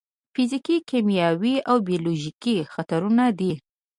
فزیکي، کیمیاوي او بیولوژیکي خطرونه دي.